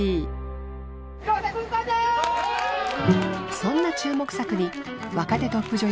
そんな注目作に若手トップ女優